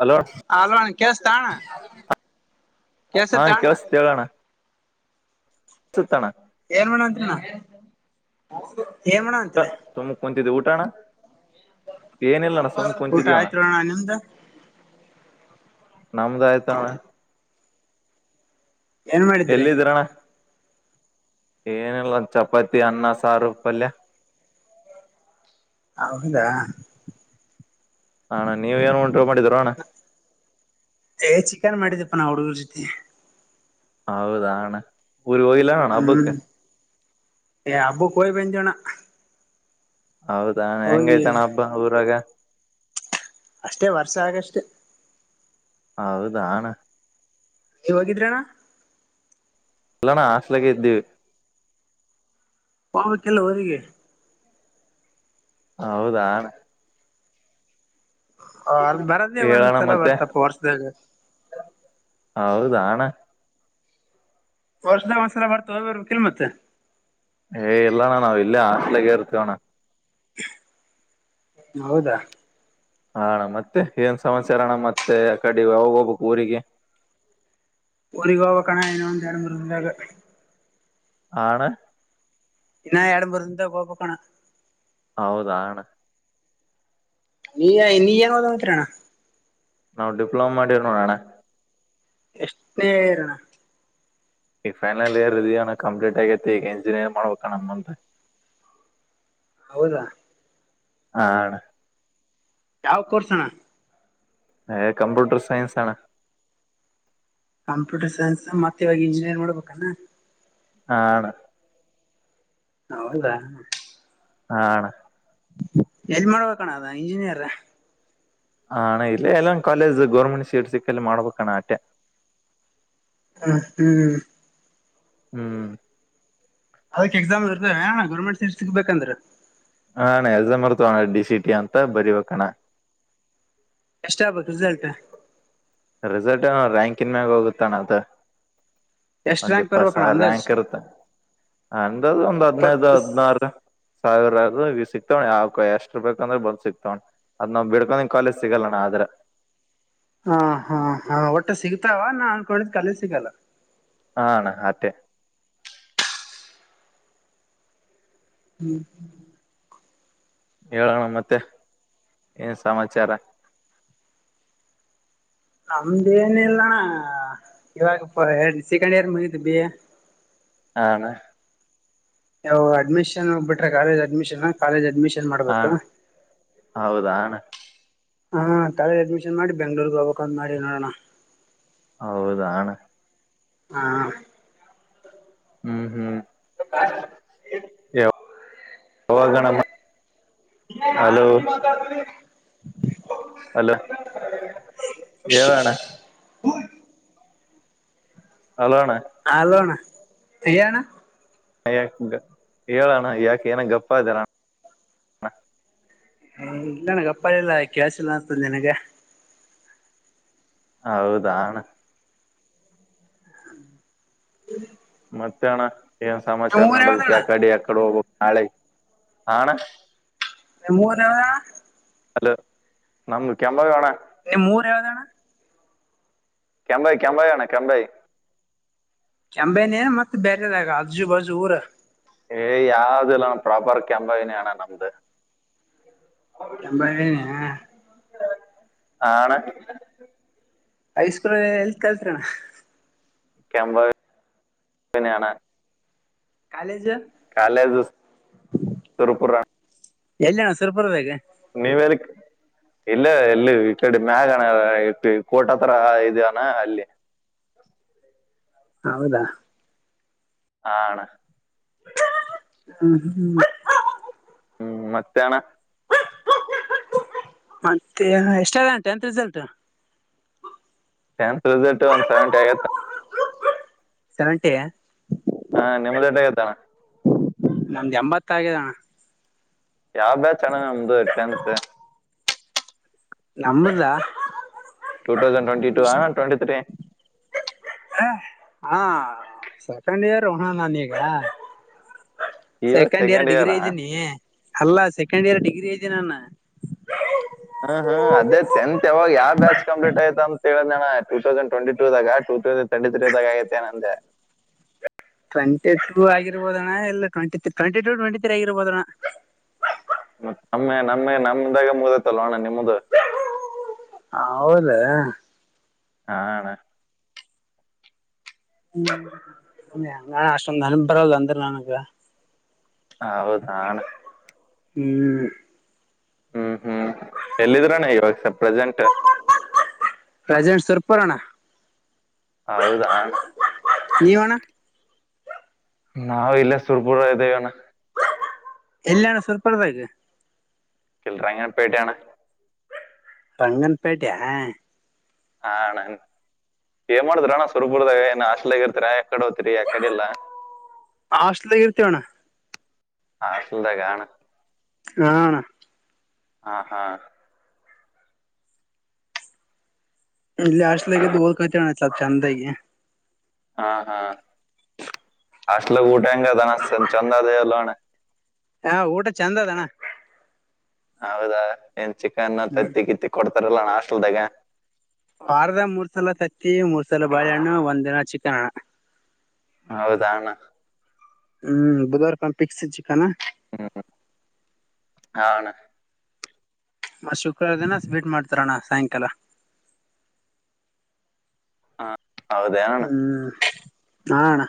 Hello ಹಣ ಕೇಳಿಸುತ್ತಾ ಆ ಹಣ ಕೇಳಿಸುತ್ತೆ ಹೇಳು ಕೇಳಿಸುತ್ತೆ ಅಣ್ಣ ಏನ್ ಮಾಡ್ತಿದ್ದೀಯಾ ಅಣ್ಣ ಸುಮ್ನೆ ಕೂತಿದ್ದೆ ಊಟ ಅಣ್ಣ ಏನಲ್ಲಣ ಸುಮ್ನೆ ಊಟ ಕೂತಿದ್ದೆ ಅಣ್ಣ ಆಯ್ತ್ರೋಣ ನಿಮ್ದ ನಮ್ದು ಆಯ್ತು ಅಣ್ಣ ಏನ್ ಮಾಡಿದ್ರಿ ಏನಿಲ್ಲ ಚಪಾತಿ ಅನ್ನ ಸಾರು ಪಲ್ಯ ಹೌದಾ ಹಣ್ಣ ನೀವ ಏನು ಉಂಟು ಮಾಡಿದರ ಅಣ್ಣ ಏೇಏನು ಮಾಡಿದ್ದಿದಪ್ಪ ನಾವು ಹುಡುಗರು ಜೊತೆ ಹೌದಾ ಅಣ್ಣ ಊರಿಗೆ ಹೋಗಿಲ್ವಾ ಹ್ಮ್ ಹಬ್ಬಕ್ಕೆ ಏ ಹಬ್ಬಕ್ ಹೋಗಿ ಬಂದೆ ಅಣ್ಣ ಹೌದಾ ಹೆಂಗೈತಾನ ಹಬ್ಬ ಊರಾಗ ಅಷ್ಟೇ ವರ್ಷ ಆಗಷ್ಟೆ ಹೌದಾ ಅಣ್ಣ ನೀವು ಹೋಗಿದ್ರಾ ಅಣ್ಣ ಇಲ್ಲ ಅಣ್ಣ ಹಾಸ್ಟೆಲಲ್ಲಿ ಇದ್ವಿ ಹೋಗಬೇಕಲ್ಲ ಊರಿಗೆ ಹೌದಾ ಅಣ್ಣ ಅಲ್ ಬರದೇ ಹೇಳೋಣ ಒಂದ್ಸಲ ಮತ್ತೆ ಬರ್ತಪ್ಪ ವರ್ಷದಾಗ ಹೌದಾ [inaudible] ವಔಷದ ಒಂದ್ಸಲ ಬರ್ತಾವ ಬರ್ ಕೆಲ್ ಮತ್ತೆ ಏ ಇಲ್ಲೋಣ್ಣ ನಾವ್ ಇಲ್ಲೇ ಆಸ್ಲಗ ಇರ್ತೀವಣ್ಣ ಹೌದಾ ಹಣ್ಣ ಮತ್ತೆ ಏನ್ ಸಮಸ್ಯಾರ ಅಣ್ಣ ಮತ್ತೆ ಆ ಕಡೆ ಅವಾಗೋಗ್ಬೇಕು ಊರಿಗೆ ಒಗೋವ ಕಣ ಇನಂತಡು ಮೂರು ಬಂದಾಗ ಆಣ ಇನ್ನ ಇಡಂಬರುಂತ ಕೋಪ ಕೋಣ ಹೌದಾಣ ನೀ ನೀ ಯಏನದ ಮಾತ್ರಣ ನಾವು ಡಿಪ್ಲೊಮ ಮಾಡಿರ ನೋಡಣ್ಣ ಎಷ್ಟನೇ ಇಯರಣ ಈಗ ಫೈನಲ್ ಇಯರ್ ಇದವಿಣ್ಣ ಕಂಪ್ಲೀಟ್ ಆಗೈತೆ ಈಗ ಇಂಜಿನಿಯರಿಂಗ್ ಮಾಡ್ಬೇಕಣ್ಣ ಮುಂದ ಹೌದಾ ಆ ಅಣ್ಣ ಯಾವ ಕೋರ್ಸೋಣ ಹೆ ಕಂಪ್ಯೂಟರ್ ಸೈನ್ಸ್ ಅಣ್ಣ ಕಂಪ್ಯೂಟರ್ ಸೈನ್ಸಾಗ ಮತ್ತ ಇವಾಗ ಇಂಜಿನಿಯರಿಂಗ್ ಮಾಡ್ಬೇಕನ ಹ ಅಣ್ಣ ಹೌದಾ ಹಾ ಅಣ್ಣ ಎಲ್ ಮಾಡ್ಬೇಕಣ ಅದ ಇಂಜಿನಿಯರ್ ಹಾ ಅಣ್ಣ ಇಲ್ಲೆ ಎಲ್ಲೆನ ಕಾಲೇಜ ಗೌರ್ಮೆಂಟ್ ಶೀಟ್ ಸಿಕ್ಕೆಲ್ಲ ಮಾಡ್ಬೇಕಣ ಆಟೆ ಹ ಹ್ಮ್ ಹ್ಮ್ ಅದಕ್ ಎಕ್ಸಾಮ್ ಇತರ್ದೆನಣ್ಣ ಗೌರ್ಮೆಂಟ್ ಸಿಟ ಸಿಗ್ಬೇಕೇಕಂದ್ರ ಹಾ ಅಣ್ಣ ಎಕ್ಸಾಮ್ ಇರ್ತವಣ್ಣ ಡಿ ಸಿಟಿ ಅಂತ ಬರಿಬೇಕಣ್ಣ ಎಷ್ಟ ಆಗಬೇಕ ರಿಸಲ್ಟ್ ರಿಸಲ್ಟ್ ರಾಂಕಿಂನ ಮ್ಯಾಗ ಹೋಗುತ್ತಣ್ಣ ಅದು ಎಷ್ಟ್ ಒಂದ್ ರ್ಯಾಂಕ್ ಇಪ್ಪತ್ ಬರ್ಬೇಕಣ್ಣ ಸಾವಿರ ಅಂದಾಜ್ ರ‍್ಯಾಂಕ್ ಇರುತ್ತ ಅಂದಾಜು ಒಂದು ಹದನೈದು ಇಪ್ಪತ್ತು ಹದಿನಾರು ಸಾವಿರ ಸಿಕ್ತಾವ್ ಯಾವ ಎಷ್ಟ ರ ಬೇಕ ಅಂದ್ರ ಬಂದ ಸಿಕ್ತವಣ್ಣ ಅದ್ ನಾವ್ ಬಿಡ್ಕೊಂಡಿಂಗ ಕಾಲೇಜ್ ಸಿಗಲ್ಲಣ ಆದ್ರ ಹ ಹಾ ಹ ಒಟ್ಟು ಸಿಗ್ತಾವ ನಾ ಅನ್ಕೊಂಡಿದ ಕಾಲೇಜ್ ಸಿಗಲ್ಲ ಹಾ ಅಣ್ಣ ಅಟೆ ಹ್ಮ್ ಹೇಳ ಅಣ್ಣ ಮತ್ತೆ ಏನ್ ಸಮಾಚಾರ ನಮ್ದೇನ ಇಲ್ಲಣ ಇವಾಗ ಸೆಕೆಂಡ್ ಇಯರ್ ಮುಗಿತ್ ಬಿ ಎ ಹಾ ಅಣ್ಣ ಅವು ಅಡ್ಮಿಷನ್ ಬಿಟ್ರ ಕಾಲಜ್ ಅಡ್ಮಿಷನ್ ಕಾಲೇಜ್ ಅಡ್ಮಿಷನ್ ಹಾ ಮಾಡ್ಬೇಕು ಅಣ್ಣ ಹೌದಾಣ್ಣ ಹಾ ಕಾಲೇಜ್ ಅಡ್ಮಿಷನ್ ಮಾಡಿ ಬೆಂಗ್ಳೂರಗ ಹೋಗ್ಬೇಕ್ ಅಂತ ಮಾಡಿ ನೋಡೋಣ ಹೌದಾಣ್ಣ ಹಾ ಹ್ಮ್ ಹ್ಮ್ ಯವ ಹೌದಣ್ಣ ಹಾ ಹಲೋ ಅಲೋ ರಣ [unintelligible] ಹಲೋ ಅಣ್ಣ ಹಲೋಣ ಹೇಳಣ ಯಾಕ ಹೇಳಣ ಯಾಕೆ ಏನ ಗಪ್ಪ ಆದಲ್ಲಣ ಹ ಇಲ್ಲಣ್ಣ ಗಪ್ಪಾದಲ್ಲಾ ಕೇಳಶಿಲ್ಲ ಅಂತಂದ ನಿನಗ ಹೌದಾ ಅಣ್ಣ [inaudible] ಮತ್ತೆ ಅಣ್ಣಾ ಏನ್ ನಿಮ್ ಸಮಾಚಾರ ಊರ್ ನಡದತ್ತ ಯಾವ್ದಣ್ಣ ಯಕಡಿ ಯ ಕಡೆ ಹೋಗ ನಾಳೆ ಆ ಅಣ್ಣ ನಿಮೂರ ಯಾವದಣ್ಣ ಹೆಲೋ ನಮದು ಕೆಂಭಾವಿ ಅಣ್ಣ ನಿಮ್ಮುರ ಯಾವ್ದಣ್ಣ ಕೆಂಭಾವಿ ಕೆಂಭಾವಿ ಅಣ್ಣ ಕೆಂಭಾವಿ ಕೆಂಭಾವಿನೆ ಮತ್ತ ಬೇರೆದಾಗ ಅಜ್ಜು ಬಜು ಊರ ಏ ಯಾವ್ದ ಇಲ್ಲಾನು ಪ್ರಾಪರ್ ಕೆಂಬವಿನಣ್ಣ ನಮ್ದು ಕೆಂಭಾವಿ ಆ ಅಣ್ಣ ಹೈಸ್ಕೂಲ್ ಎಲ್ ಕಲ್ತ್ ರಿ ಅಣ್ಣ ಕೆಂಭಾವಿ ನ ಅಣ್ಣ ಕಾಲೇಜ ಕಾಲೇಜು ಸುರಪುರ ಎಲ್ಲಿ ಅಣ್ಣ ಸುರಪುರ ದಾಗ ನೀವೇನಕ್ಕೆ [inaudible] ಇಲ್ಲ ಎಲ್ಲಿ ಈ ಕಡೆ ಮ್ಯಾಗಣ ಕೋಟ ಹತ್ರ ಇದೇ ಅಲ್ಲಿ ಹೌದಾ ಆ ಅಣ್ಣ ಹ್ಮ ಹ್ಮ್ [inaudible] ಹ್ಮ್ ಮತ್ತೆ ಅಣ್ಣ ಮತ್ತೆ ಎಷ್ಟ ಆಗಿದೆ ಟೆಂತ್ ರಿಸಲ್ಟ್ ಟೆಂತ್ ರಿಸಲ್ಟ್ ಒಂದ್ ಸೆವೆಂಟಿ ಆಗತ್ತ ಸೆವೆಂಟಿ ಹಾ ನಿಮ್ಮ್ದೇಟಾ ಆಗ್ಯತಿ ನಮ್ದ ಎಂಬತ್ತ ಆಗಿದಣ ಯಾವ್ಯ ಬ್ಯಾಚ್ ನಮ್ದು ಟೆಂತ್ ನಮ್ಮದ ಟೂ ತೌಸಂಡ್ ಟ್ವೆಂಟಿ ಟೂ ಹ ಟ್ವೆಟಿ ತ್ರೀ ಹಾ ಸೆಕೆಂಡ್ ಇಯರ್ ಅಣ್ಣ ನಾನೀಗ ಸೆಕೆಂಡ್ ಇಯರ್ ಡಿಗ್ರಿ ಇದ್ದೀನಿ ಅಲ್ಲಾ ಸೆಕೆಂಡ್ ಇಯರ್ ಡಿಗ್ರಿ ಇದ್ದೀನಿನ್ನ ಹ್ಮ್ ಹ್ಮ್ ಅದೇ ಟೆಂತ್ ಯಾವಾಗ ಯಾವ ಬ್ಯಾಚ್ ಕಂಪ್ಲೀಟ್ ಆಯ್ತ ಅಂತ ಟ ತೌಸಂಡ್ ಟ್ವೆಂಟಿ ಟ ದಾಗ ಟೂ ತೌಸಂಡ್ ಟ್ವೆಟಿ ತ್ರಿ ಆಗ್ಯತಿ ಅಂದೇ ಟ್ವೆಂಟಿ ಟೂ ಆಗಿರ್ಬೋದಣ ಇಲ್ಲ ಟ್ಂಟಿ ಟ ಟ್ಂಟಿ ತ್ರೀ ಆಗಿರ್ಬೋದಣ್ಣ ಮತ್ತ ನಮ್ಮೆ ನಮ್ಮ ನಮ್ದಾಗ ಮುದೈತಲ್ ಅಣ್ಣ ನಿಮ್ಮ್ದ ಹೌದ ಹಾ ಅಣ್ಣ ಅಷ್ಟೊಂದ ನನ [unintelligible] ಬರೋದು ಅಂದ್ರೆ ನನಗ ಹೌದಾ ಅಣ್ಣ ಹ್ಮ್ ಹ್ಮ್ ಹ್ಮ್ ಎಲ್ಲಿದ್ರನ ಇವಾಗ ಸ ಪ್ರೆಸೆಂಟ್ ಪ್ರೆಸೆಂಟ್ ಸುರಪುರ ಹೌದಾ ಸುರಪುರ ನೀವಣ್ಣ ನಾವವು ಇಲ್ಲ ಸುರ್ಪುರ ಇದೇವಿ ಅಣ್ಣ ಎಲ್ಲಣ ಸುರಪುರ ದಾಗ [unintelligible] [inaudible] ರಂಗನ್ಪೇಟೆಯಾ ಹಾ ನನ್ ಏನ್ ಮಾಡ್ತರಣ್ಣ ಸವರ್ಪುರ್ದಾಗನ್ ಅಸ್ಲಗ ಇರ್ತೀರ ಕಡೋತ್ರಿ ಆ ಕಡೆಲ್ಲ [inaudible] ಹಾಸ್ಟೆಲ್ದಾಗ ಇರ್ತೇವಣ್ಣ ಹಾಸ್ಟೆಲ್ ದ ಗಣ ಅಣ ಹಾ ಹಾ ಇಲ್ಲಿ ಅಷ್ಟಲಗಿದ್ದು ಹೋದಕೋತಣ ಸ್ಲ್ಪ ಚೆಂದಾಗಿ ಹಾ ಹಾ [inaudible] ಅಷ್ಟಲು ಊಟಾಯಂ ಕದನ ಚಂದದ ಅಲೋನ ಹಾ ಊಟ ಚೆಂದ ಅದಣ್ಣ ಹೌದಾ ಏನ್ ಚಿಕನ್ ಹ್ಮ್ ತತ್ತಿ ಕಿತ್ತಿ ಕೊಡ್ತಾರಲ್ಲ ನಣ ಹಾಸ್ಟೆಲ್ದಾಗ ವಾರದ ಮೂರ್ ಸಲ ತತ್ತಿ ಮೂರ್ ಸಲ ಬಾಳೆಹಣ್ಣು ಒಂದ್ಿನ ಚಿಕನ್ ಹಣ್ಣ ಹೌದಣ್ಣ ಹ್ಮ್ ಬುಧವಾರ ಕ ಫಿಕ್ಸ್ ಚಿಕನ್ ಹ್ಮ್ [inaudible] ಹಣ [unintelligible] ಮ ಶುಕ್ರವಾರ ದಿನ ಸ್ವೀಟ್ ಮಾಡ್ತಾರಣ್ಣ ಸಾಯಂಕಾಲ ಹಾ ಹೌದೇನಣ್ಣ ಹ್ಮ್ ಹಣ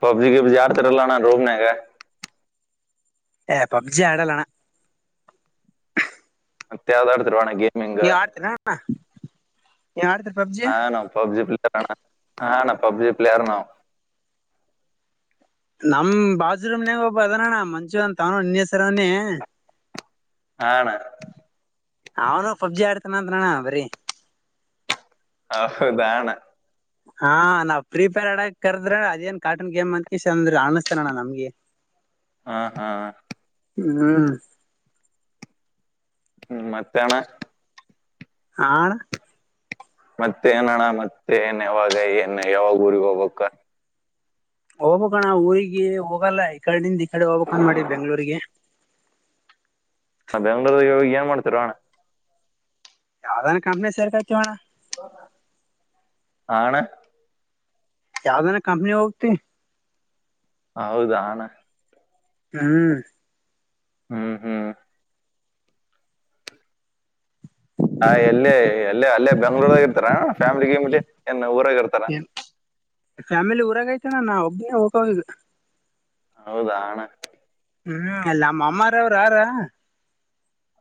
ಪಬ್ಜಿ ಗಿಬ್ಜಿ ಆಡ್ತಾರಲ್ಲಣ ರೂಮ್ನಾಗೆ ಏ ಪಬ್ಜಿ ಆಡಲ್ಲಣ ಮತ್ಯ ಆದ ಆಡ್ತರುವಣಗೆ ನೀವ್ ಆಡ್ತೀರಾಣ ಹಾ ನ ಪಬ್ಜಿ [unintelligible] ಹಾ ಪಬ್ಜಿ ಪ್ಲರ್ ನ ನಮ್ ಬಾಜರುಮನಾಗ ಒಬ್ಬ ಅದನಣ ಮಂಜು ಅಂತ ಅವನು ಇನ್ನ ಹೆಸರವನೇ ಹಾಣ ಅವನು ಪಬ್ಜಿ ಆಡ್ತಾನ ಅಂದಣ ಬರಿ ಹೌದಣ ಹಾ ನಾವ್ ಪ್ರೀಪೇರ್ ಆಡ ಕರ್ದ್ರೆ ಅದೇನ್ ಕಾರ್ಟೂನ್ ಗೇಮ್ ಅಂತಕ ಅಂದ್ರ ಅನಿಸ್ತನಣ್ಣ ನಮ್ಗೆ ಹ [inaudible] ಹಾ ಹಾ ಹ್ಮ್ [inaudible] ಹ್ಮ್ ಮತ್ತಣ ಹ ಮತ್ತೆ ಏನಣ್ಣ ಮತ್ತೆ ಏನ್ ಯಾವಾಗ ಏನ್ ಯಾವಾಗ ಊರಿಗೆ ಹೋಗ್ಬೇಕು ಹೋಗ್ಕಣ್ಣ ಊರಿಗೆ ಹೋಗಲ್ಲ ಈ ಕಡೆಂದ ಈ ಕಡೆ ಹೋಗ್ಕ್ಂದ ಮಾಡಿ ಬೆಂಗ್ಳೂರಿಗೆ ನಾ ಬೆಂಗಳೂರ್ಗ ಏನ್ ಮಾಡ್ತಿರಣ್ಣ ಯಾವ್ದಾನ ಕಂಪ್ನಿ ಸೇರ್ಕಣ್ತೀವಣ್ಣ [inaudible] ಆಣ ಯಾವ್ದನ ಕಂಪ್ನಿ ಹೋಗ್ತಿ ಹೌದ ಹಣ ಹ್ಮ್ ಹ್ಮ್ ಹ್ಮ್ ಹಾ ಎಲ್ಲೇ ಎಲ್ಲೇ ಅಲ್ಲೇ ಬೆಂಗ್ಳೂರ್ಗ ಇರ್ತಾರ ಫ್ಯಾಮಿಲಿ ಗಿಮಿಲಿ ಏನ್ ಫ್ಯಾಮಿಲಿ ಊರಾಗೈತನ ನಾ ಒಬ್ಬನೇ ಹೋಗೋದು ಹೌದಾನ ಹ್ಮ್ ಅಲ್ಲ ನಮ್ಮ ಅಮ್ಮಾರವ್ರ ಯಾರ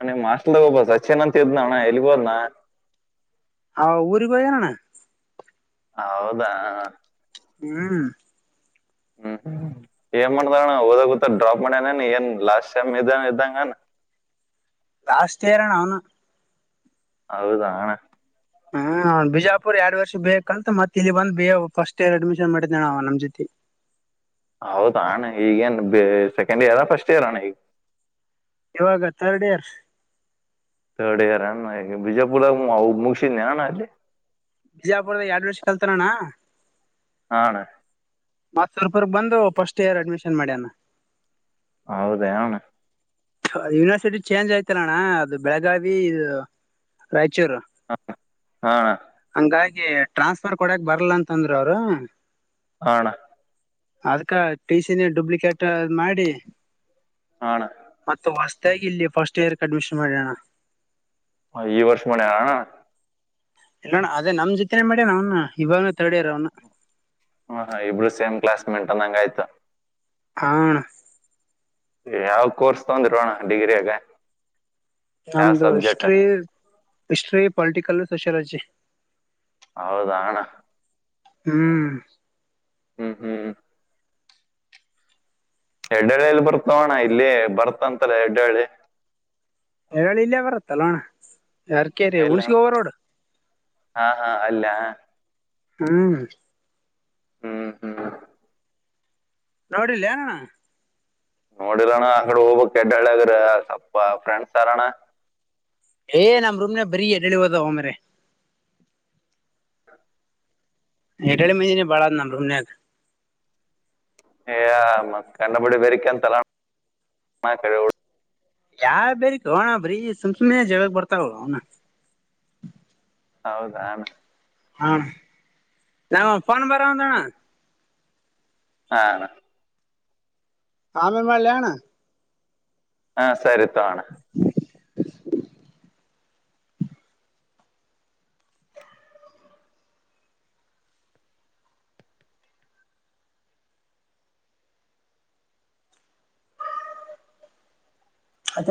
ಅ ಮಾಸ್ಟ್ ಒಬ್ಬ ಸಚೇನ್ ಅಂತ ಇದ್ನಣ್ಣ ಎಲ್ಬೋದನಾ ಹೌ ಊರಿಗೆ ಹೋಗೋಣ ಹೌದಾ ಹ್ಮ [inaudible] ಹ್ಮ್ ಹ್ಮ್ ಏನ್ ಮಾಡ್ದಣ ಹಓದ ಗೂತ್ತ ಡ್ರಾ ಮಾಡ್ಯನನ್ ಏನ್ ಲಾಸ್ಟ್ ಟೈಮ್ ಇದ ಇದ್ದಂಗನ್ ಜಾಸ್ತಿ ಇರಣ ಅವನು ಹೌದಣ ಹ್ಮ ಬಿಜಾಪುರ್ ಎರಡ್ ವರ್ಷ ಬೇಕಕ್ ಅಂತ ಮತ್ತತ್ ಇಲ್ಲಿ ಬಂದು ಬ ಫಸ್ಟ್ ಇಯರ್ ಅಡ್ಮಿಷನ್ ಮಾಡಿದ್ದೇ ನ ನಮ್ ಜೊತಿ [unintelligible] [inaudible] ಹೌದ ಅಣ್ಣ ಈಗೇನ್ ಸೆಕೆಂಡ್ ಇಯರ್ ಫಸ್ಟ್ ಇಯರ್ ಅಣ್ಣ ಈಗ ಇವಾಗ ಥರ್ಡ್ ಇಯರ್ ರ್ಡ್ ಇಯರ್ ಅಣ ಬಿಜಾಪುರ ಮುಗಸಿದ್ದೆಣ ಅಲ್ಲಿ ಬಿಜಾಪುರದ ಎರಡು ವರ್ಷ ಕಲ್ತಾರಣ ನಣ ಮತ್ ಸಾವ ರೂಪಾಯ ಬಂದು ಫಸ್ಟ್ ಇಯರ್ ಅಡ್ಮಿಷನ್ ಮಾಡ್ಯಾನ ಹೌದ ಆಣ ಯೂನಿವರ್ಸಿಟಿ ಚೇಂಜ್ ಆಯ್ತಲ್ಲಣ್ಣ ಅದು ಬೆಳಗಾವಿ ಇದು ರಾಯಚೂರು ಹ ಹಾ ಹಂಗಾಗಿ ಟ್ರಾನ್ಸ್ಫರ್ ಕೊಡಕ್ ಬರಲ್ಲ ಅಂತಂದ್ರರು ಅವರು ಆಣ ಅದ್ಕ್ಕ ಟೀ ಸಿನ ಡುಪ್ಲಿಕೇಟ್ ಮಾಡಿ ಹಣ ಮತ್ತ ಹೊಸ್ತಾಗಿ ಇಲ್ಲಿ ಫಸ್ಟ್ ಇಯರ್ಕ್ ಅಡ್ಮಿಷನ್ ಮಾಡ್ಯಣ ಹ ಈ ವರ್ಷ ಮಣ ಇಲ್ಲೋಣ ಅದೇ ನಮ್ ಜೊತನೇ ಮಾಡ್ಯಾನ ಅವ್ ಇವಾಗನ ಥರ್ಡ್ ಇಯರ್ ಅವ್ನ ಹ ಹ ಇಬ್ರು ಸೇಮ್ ಕ್ಲಾಸ್ ಮೆಂಟ್ಟಂದಂಗ ಆಯ್ತಾ ಹಣ ಯಾವ ಕೋರ್ಸ್ ತೊಂದ್ರೋಣ ಡಿಗ್ರಿಯಾಗ ಯಾವ ನಮ್ದು subject history history political sociology. ಹೌದಾಣ್ಣ. ಹ್ಮ್. ಹ್ಮ್ ಹ್ಮ್. ಎಡ್ಳ್ಳಿಯಲ್ಲಿ ಬರ್ತಾವಣ ಇಲ್ಲಿ ಬರ್ತಂತಲ್ಲ ಎಡ್ಡಹಳ್ಳಿ. ತಲ್ಲೋಣ ಯಾರ ಕ ರೀ ಎಲ್ಲಿ ಅಣ್ಣ ಹುಣ್ಸಗ ಹವರೋಡ್. ಹಾ ಹಾ ಅಲ್ಲ ಹ. ಹ್ಮ್ ಹ್ಮ್ ಹ್ಮ್ ನೋಡಿಲ್ ನೋಡಿರಣ್ಣ ಆ ಕಡೆ ಹೋಗ್ಕ್ ಕೆಡ್ಡಳ್ಳಗ್ರ ಸ್ವಪ ಫ್ರೆಂಡ್ಸ್ ಅಾರಣ್ಣ ಏ ನಮ್ಮ್ ರೂಮ ನ ಬರಿ ಹೆಡಳಿವದಾವ ಮೇ್ರ ಎಟಡೆ ಮ ಬಳ ನ ರಮ ಯ ಮ ಕಂಡು ಪುಡಿ ಬನ್ ತಲ ಕ ಯಾವ ಬೇರೆ ಹೋಣ ಬ್ರಿ ಸುಮ್ಸುಮ್ಮನೆ ಜಗಕ್ ಬರ್ತಾವ ಅವಣ ಹೌದ ಆಮೇ ಹ ನ ಪನ್ ಬರಾಮದಣ ಹಾ ಆಮೇನ್ ಮಾಡಲಿಣ್ಣ ಹಾ ಸರಿತಣ ಷ